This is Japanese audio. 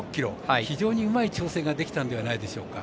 非常にうまい調整ができたのではないでしょうか。